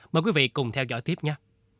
mời quý vị cùng theo dõi tiếp nhé